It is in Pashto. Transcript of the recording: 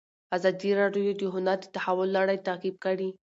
ازادي راډیو د هنر د تحول لړۍ تعقیب کړې.